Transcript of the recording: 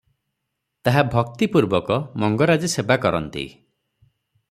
ତାହା ଭକ୍ତି ପୂର୍ବକ ମଙ୍ଗରାଜେ ସେବାକରନ୍ତି ।